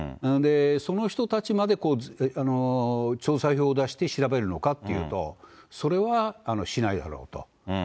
その人たちまで調査票を出して調べるのかっていうと、それはしないだろうと。